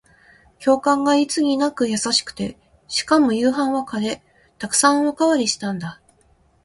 教官がいつになく優しくて、しかも夕飯はカレー。沢山おかわりしたんだ。